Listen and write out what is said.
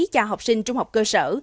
cho học sinh trung học cơ sở